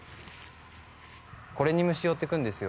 これに虫寄ってくるんですよ。